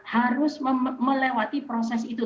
harus melewati proses itu